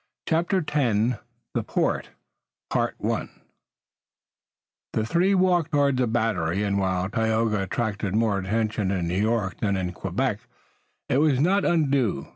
CHAPTER X THE PORT The three walked toward the Battery, and, while Tayoga attracted more attention in New York than in Quebec, it was not undue.